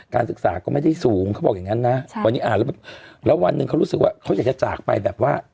ศึกษาก็ไม่ได้สูงเขาบอกอย่างนั้นนะวันนี้อ่านแล้วแบบแล้ววันหนึ่งเขารู้สึกว่าเขาอยากจะจากไปแบบว่า